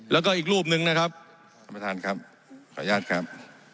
แล้วก็อีกรูปหนึ่งนะครับท่านประธานครับขออนุญาตครับ